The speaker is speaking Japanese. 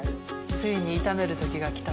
ついに炒める時が来た。